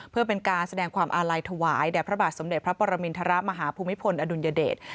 เพื่อเป็นการแสดงความอาลัยถวายแด่พระบาทสมเด็จพระปรมินทรมาฮภูมิพลอดุลยเดช